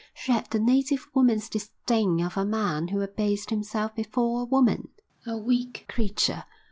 She had the native woman's disdain of a man who abased himself before a woman. A weak creature!